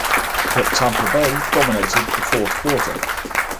But Tampa Bay dominated the fourth quarter.